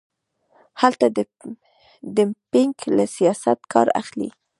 هلته د ډمپینګ له سیاسته کار اخلي.